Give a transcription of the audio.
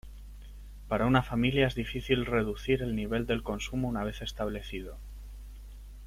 Para una familia es difícil reducir el nivel del consumo una vez establecido.